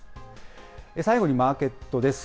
最後にマーケットです。